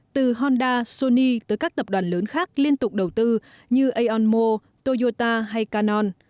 từ honda sony tới các tập đoàn lớn khác liên tục đầu tư như aonmo toyota hay canon